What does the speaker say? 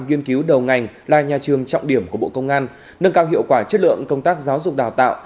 nghiên cứu đầu ngành là nhà trường trọng điểm của bộ công an nâng cao hiệu quả chất lượng công tác giáo dục đào tạo